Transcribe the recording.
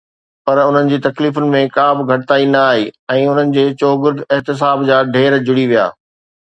پر انهن جي تڪليفن ۾ ڪا به گهٽتائي نه آئي ۽ انهن جي چوگرد احتساب جا ڍير جڙي ويا.